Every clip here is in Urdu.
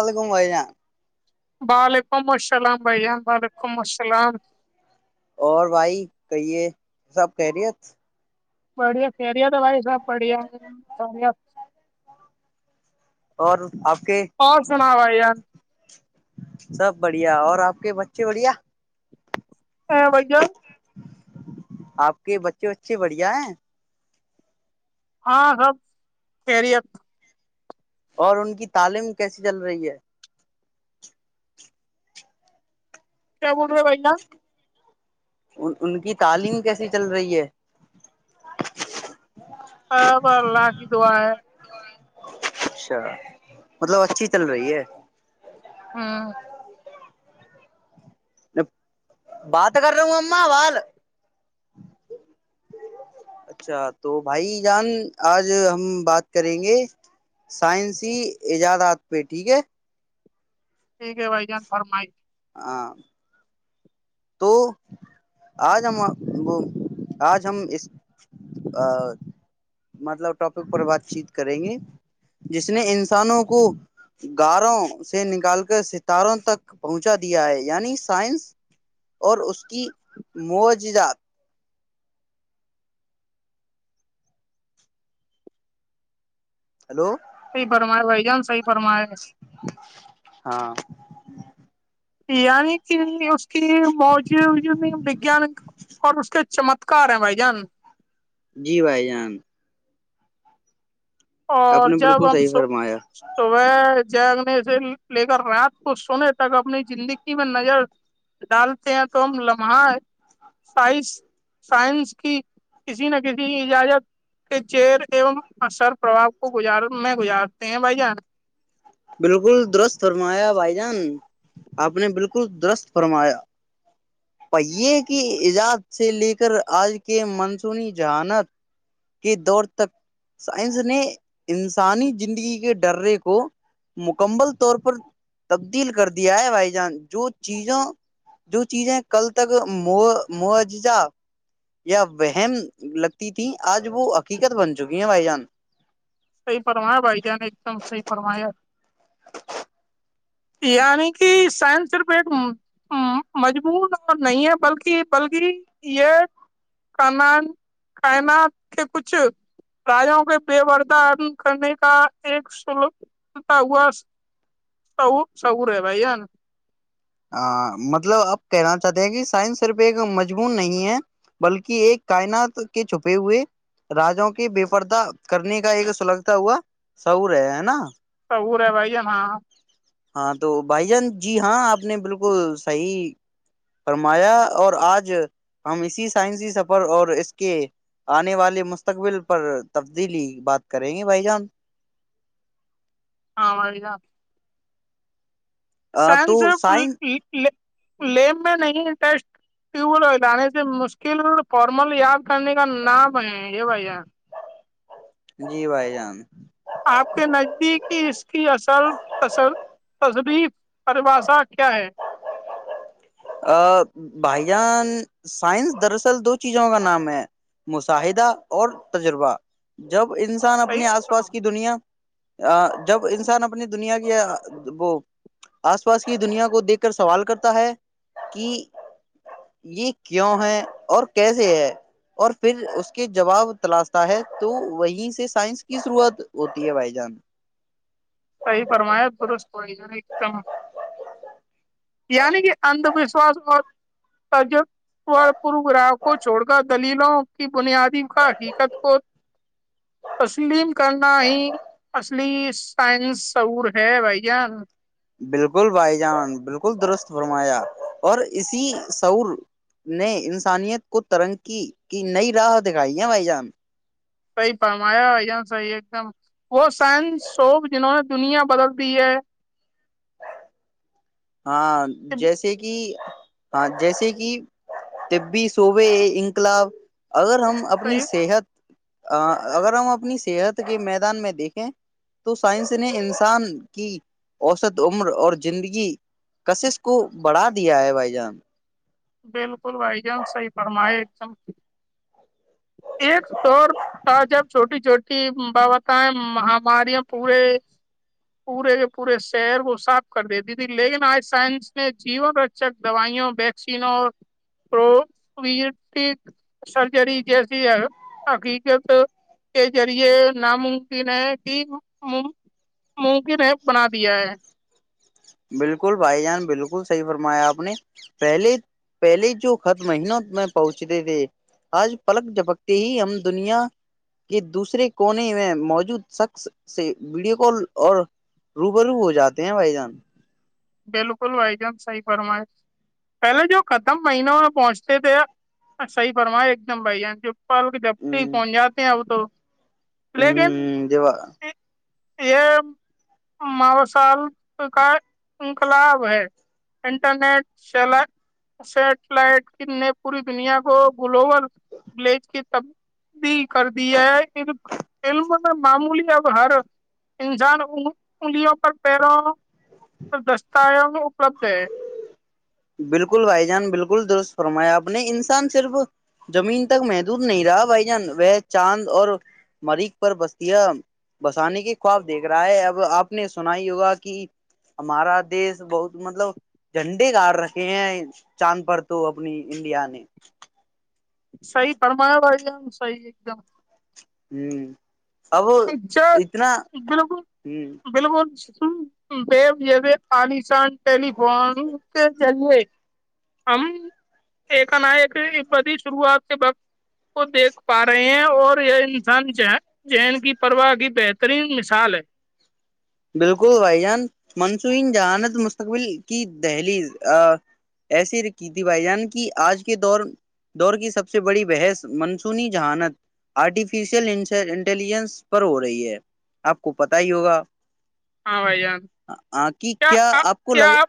الل گمبائی جان وعلیکم السلام بھیا وعلیکم السلام اور بھائی کہیے سب کہہ رہی بڑھیا خیرییات بھائی سب بڑھیا س اور آپ کے اور سنا بھائی ار سب بڑھیا اور آپ کے بچے بڑھیا س بائی جا آپ کے بچے وچے بڑھیا ہیں ہاں سب خہریت اور ان کی تعلیم کیسی چل رہی ہے سب [unintelligible] ان کی تعلیم کیسی چل رہی ہے اب اللہ کی دعا ہے اچھا مطلب اچھی چل رہی ہے ہاں بات کر رہا ہوں ا ما ال اچھا تو بھائی جان آج ہم بات کریں گے سائنسی ایجادات پہ ٹھیک ہے ٹھیک ہے بھائی جان فرمائی ہاں تو آج ہم وہ آج ہم اس مطلب ٹاپک پر بات چیت کریں گے جس نے انسانوں کو گاروں سے نکال کر ستاروں تک پہنچا دیا ہے یعنی سائنس اور اس کی معجات ہیلو سی پرمے بائی جان سی ہاں ی نہیں اس کے موجود میں وگان اور اس کے چمتکار ہیں بھائی جان جی بھائی جان آپ اور نے جب بالکل ہم صحیح س فرمایا تو وہ جگنے سے لے کر رات کو سونے تک اپنی زندگی میں نظر ڈالتے ہیں تو ہم لمحہ سائنس کی کسی نہ کسی اجازت کے چر اثر پرواب کو گزار میں گزارتے ہیں بھائی جان بالکل درست فرمایا بھائی جان آپ نے بالکل درست فرمایا پہیے کی ایجاد سے لے کر آج کے منصونی جہانت کے دور تک سائنس نے انسانی زندگی کے ڈرے کو مکمل طور پر تبدیل کر دیا ہے بھائی جان جو چیزوں جو چیزیں کل تک م مج جا یا وہم لگتی تھی آج وہ حقیقت بن چکی ہیں بھائی جان سحی فرمیا بائی ج نے ایک دم سی فرمیا یعنی کہ سائنس صرف ایک مجمون اور نہیں ہے بلکہ بلکہ یہ کائنات کے کچھ راجوں کے پور د کرنے کا ایک سلتا ہوا سہور ہے بھائی ن ا مطلب آپ کہنا چاہتے ہیں کہ سائنس صرف ایک مجمون نہیں ہے بلکہ ایک کائنات کے چھپے ہوئے راجوں کے بے پرردہ کرنے کا ایک سلگتا ہوا سعور ہے ہے نا وہ رہ ہے بھیا ہاں ہاں تو بھائی جان جی ہاں آپ نے بالکل صحیح فرمایا اور آج ہم اسی سائنسی سفر اور اس کے آنے والے مستقبل پر تبدیلی بات کریں گے بھائی جان ہاں اور گا سائن تو صرف سائنس لیمب میں نہیں انٹرسٹ ٹیوب ویل لانے سے مشکل فارمل یا کرنے کا نام ہے یہ بھیا ج کی ارباشا کیا ہے بھائی جان سائنس دراصل دو چیزوں کا نام ہے مشاہدہ اور تجربہ جب انسان صحیح اپنے آس پاس کی صحیح دنیا جب انسان اپنی دنیا کی وہ آس پاس کی دنیا کو دیکھ کر سوال کرتا ہے کہ یہ کیوں ہے اور کیسے ہے اور پھر اس کے جواب تلاشتا ہے تو وہیں سے سائنس کی ضرورت ہوتی ہے بھائی جان سحی فرمیا پ ایک دم یعنی کہ اند وشوس اور تج پ گراہ کو چھوڑ کر دلیلوں کی بنیادی حقیقت کو تسلیم کرنا ہی اصلی سائن سعور ہے بھائی جان بالکل بھائی جان بالکل درست فرمایا اور اسی سعور نے انسانیت کو ترنکی کی نئی راہ دکھائی ہیں بھائی جان صحیح پمایا یا صحیح ایک دم وہ سائنس سوپ جنہوں نے دنیا بدل دی ہے ہاں جیسے کہ ہاں جیسے کہ طبی سوبے انقلاب اگر ہم اپنی صحیح صحت اگر ہم اپنی صحت کے میدان میں دیکھیں تو سائنس نے انسان کی اوسط عمر اور زندگی کشش کو بڑھا دیا ہے بھائی جان بالکل بھائی جان صحیح فرمائے ایک دم کی ایک دور تھا جب چھوٹی چھوٹی بابتیں مہاماریاں پورے پورے کے پورے شہر کو صاف کر دیتی تھی لیکن آج سائنس نے جیون رچک دوائیوں ویکسینوں اور سرجری جیسی حقیقت کے ذریعے ناممکن ہے کہ ممکن ہے بنا دیا ہے بالکل بھائی جان بالکل صحیح فرمایا آپ نے پہلے پہلے جو خط مہینوں میں پہنچتے تھے آج پلک جھپکتے ہی ہم دنیا کے دوسرے کونے میں موجود شخص سے ویڈیو کال اور روبرو ہو جاتے ہیں بھائی جان بالکل بھائی جان صحیح فرمائے پہلے جو ختم مہینوں میں پہنچتے تھے صحی فرمائے ایک دم بھائی جان جو پالک جب سے ہی پہنچ جاتے ہیں اب تو لیکن ہوں ج وا یہ موسال کا انقلاب ہے انٹرنیٹ سیٹلائٹ نے پوری دنیا کو گلوبل بلیج کی تبدیلی کر د ہے علم میں معمولی اب ہر انسان انگلیوں پر پیروں دستاوزن اپلبد ہے بالکل بھائی جان بالکل درست فرمایا آپ نے انسان صرف زمین تک محدود نہیں رہا بھائی جان وہ چاند اور مریخ پر بستیا بسانے کے خواب دیکھ رہا ہے اب آپ نے سنا ہی ہوگا کہ ہمارا دیش بہت مطلب جھنڈے گار رہا کہ ہیں چاند پرڑ تو اپنی انڈیا نے صحیح فرمایا بھائی صحیح ایک دم ہوں ج بالکل ہ بالکل ز طالسان ٹیلیفون کے ذریعے ہم ایک ن ایک پ شروعات سے بقت کو دیکھ پا رہے ہیں اور یہ انسان ین کی پرواہ کی بہترین مثال ہے بالکل بھائی جان منصونی جہانت مستقبل کی دہلی ایسی کی تھی بھائی جان کی آج کے دور دور کی سب سے بڑی بحث منسونی جہانت آرٹیفیشیل انٹیلیجنس پر ہو رہی ہے آپ کو پت ہی ہوگا ہاں بھائی جان کہ کیا کیا کو کیا لگ آپ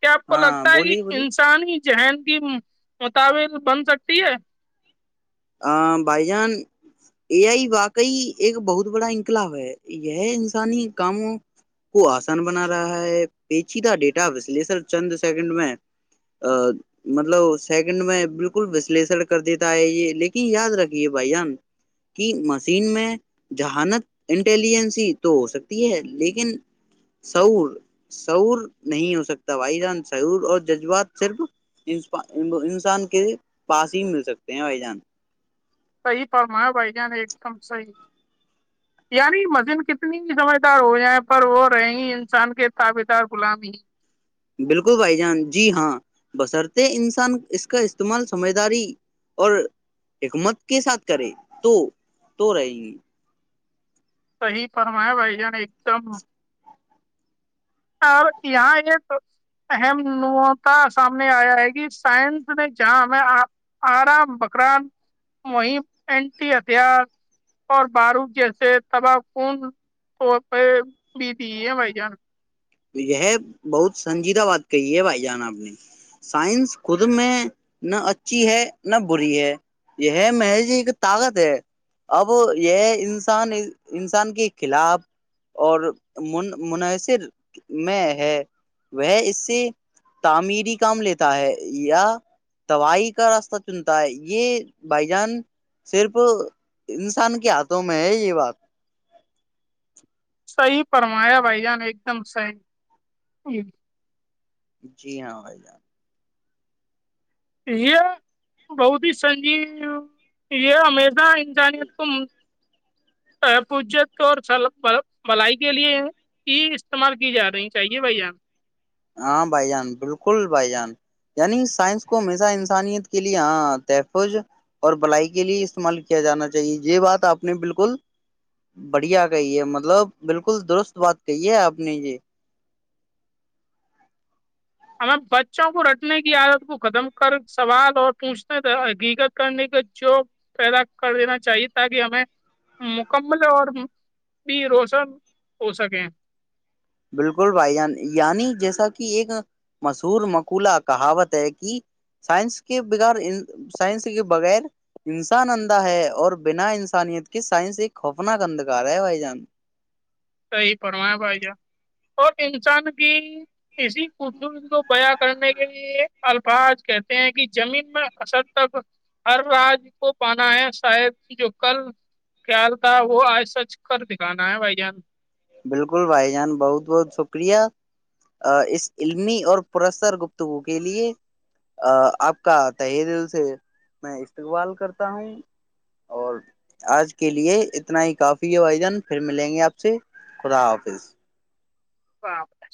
کیا آپ کو ہاں لگتا ہے کہ بولیے بولیے انسان ہی ذہین کی متاابر بن سکتی ہے بھائی جان اے آئی واقعی ایک بہت بڑا انقلاب ہے یہ انسانی کاموں کو آسان بنا رہا ہے پیچیدہ ڈیٹا وشلشن چند سیکنڈ میں مطلب سیکنڈ میں بالکل وشلشن کر دیتا ہے یہ لیکن یاد رکھیے بھائی جان کی مشین میں جہانت انٹیلیجنسی تو ہو سکتی ہے لیکن سور سور نہیں ہو سکتا بھائی جان سعور اور جذبات صرف انسان کے پاس ہی مل سکتے ہیں بھائی جان صحیح فرما بھائی جان ایک دم صحیح یعنی مزن کتنی سمجھدار ہو جائیں پر وہ رہےیں ہی انسان کے تابیتار غلام ہی بالکل بھائی جان جی ہاں بصرط انسان اس کا استعمال سمجھداری اور حکمت کے ساتھ کرے تو تو رہے گی صحی فرمایا بھائی جان ایک دم اور یہاں ایک اہم نتا سامنے آیا ہے کہ سائنس نے جہاں ہمیں آرا بکران مم اینٹی ہتھیار اور بارود جیسے تباہ کن طور پہ بھی دی ہے بھائی جان یہ بہت سنجیدہ بات کہی ہے بھائی جان آپ نے سائنس خود میں نہ اچھی ہے نہ بری ہے یہ محض ایک طاقت ہے اب یہ انسان انسان کے خلاف اورن منحصر میں ہے وہ اس سے تعمیری کام لیتا ہے یا توائی کا راستہ چنتا ہے یہ بائی جان صرف انسان کے ہاتھوں میں ہے یہ بات صحی فرمایا بھائی جان ایک دم صحی ج جی ہاں بھائی جان یہ بہت ہی سنجیو یہ ہمیشہ جانی گوم جت اور بلائی کے لیے کی استعمال کی جا رہی چاہیے بھائیان ہاں بھائی جان بالکل بھائی جان یعنی سائنس کو ہمیشہ انسانیت کے لیے ہاں تحفظ اور بلائی کے لیے استعمال کیا جانا چاہیے یہ بات آپ نے بالکل بڑھیا کہی ہے مطلب بالکل درست بات کہی ہے آپ نے یہ ہمیں بچوں کو رٹنے کی عادت کو ختم کر سوال اور پوچھنے ت حقیقت کرنے کا جوک پیدا کر دینا چاہیے تاکہ ہمیں مکمل اور بھی روشن ہو سکے بالکل بھائی جان یعنی جیسا کہ ایک مشہور مقولہ کہاوت ہے کہ سائنس کے بغیر سائنس کے بغیر انسان اندھا ہے اور بنا انسانیت کے سائنس ایک خوفناک اندھکار ہے بھائی جان صیح پرو ہے بھائی جان اور انسان کی اسی ک کو بیا کرنے کے لیے الفاظ کہتے ہیں کہ زمین میں اصد تک ہر راج کو پانا ہے شاید جو کل خیال تھا وہ آج سچ کر دکھانا ہے بھائی جان بالکل بھائی جان بہت بہت شکریہ اس علمی اور پرستر گفتگو کے لیے آپ کا تح دل سے میں استقبال کرتا ہوں اور آج کے لیے اتنا ہی کافی ہے بھائی جان پھر ملیں گے آپ سے خدا حافظ ہ بتا